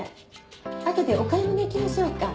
後でお買い物行きましょうか。